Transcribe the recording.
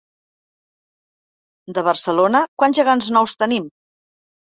De Barcelona, quants gegants nous tenim?